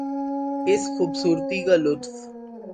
اس خوبصورتی کا لطف